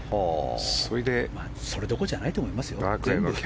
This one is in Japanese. それどころじゃないと思いますよ。